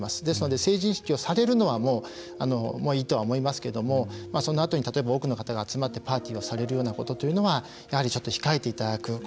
ですので成人式をされるのはいいとは思いますけどもそのあとに多くの方が集まってパーティーをされるようなことというのはやはりちょっと控えていただく。